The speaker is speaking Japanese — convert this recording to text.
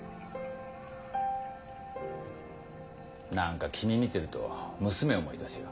何か君見てると娘思い出すよ。